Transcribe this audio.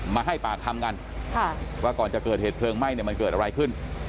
มาให้ปากคำกันว่าก่อนจะเกิดเหตุเพลิงไหม้เนี่ยมันเกิดอะไรขึ้น